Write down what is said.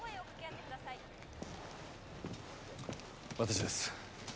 私です。